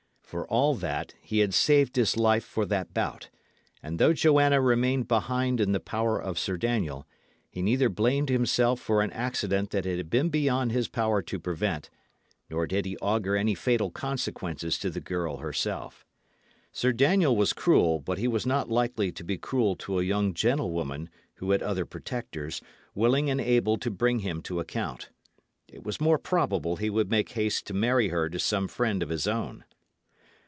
For all that, he had saved his life for that bout; and though Joanna remained behind in the power of Sir Daniel, he neither blamed himself for an accident that it had been beyond his power to prevent, nor did he augur any fatal consequences to the girl herself. Sir Daniel was cruel, but he was not likely to be cruel to a young gentlewoman who had other protectors, willing and able to bring him to account. It was more probable he would make haste to marry her to some friend of his own.